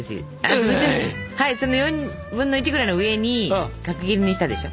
その４分の１ぐらいの上に角切りにしたでしょ。